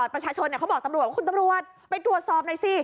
ประชาชนเขาบอกตำรวจว่าคุณตำรวจไปตรวจสอบหน่อยสิ